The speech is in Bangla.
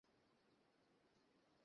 পাঠান ভাবিল, তাহার অদৃষ্ট সুপ্রসন্ন।